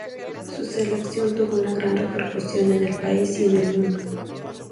Su elección tuvo una gran repercusión en el país y en el mundo.